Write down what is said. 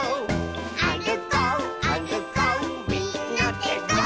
「あるこうあるこうみんなでゴー！」